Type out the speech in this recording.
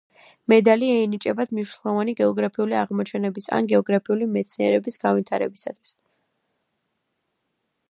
მედალი ენიჭებათ მნიშვნელოვანი გეოგრაფიული აღმოჩენების ან გეოგრაფიული მეცნიერების განვითარებისათვის.